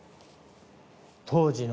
当時の